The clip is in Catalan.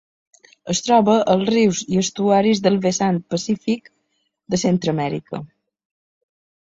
Es troba als rius i estuaris del vessant pacífic de Centreamèrica.